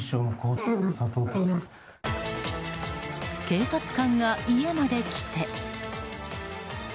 警察官が家まで来て。